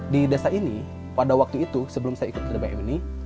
di desa ini pada waktu itu sebelum saya ikut tbm ini